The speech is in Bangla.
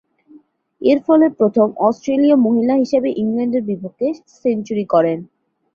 এরফলে প্রথম অস্ট্রেলীয় মহিলা হিসেবে ইংল্যান্ডের বিপক্ষে সেঞ্চুরি করেন।